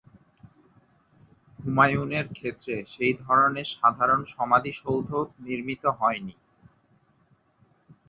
হুমায়ুনের ক্ষেত্রে সেই ধরনের সাধারণ সমাধিসৌধ নির্মিত হয়নি।